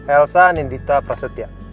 elsa nindita prasetya